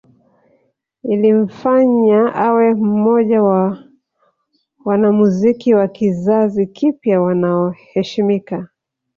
Ilimfanya awe mmoja wa wanamuziki wa kizazi kipya wanaoheshimika